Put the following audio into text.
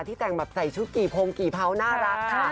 ที่ใส่ชุดกี่พรงกี่เผาได้ยอดค่ะนะ